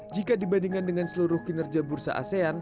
jika dibandingkan dengan seluruh kinerja bursa asean